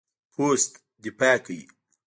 پوست دفاع کوي.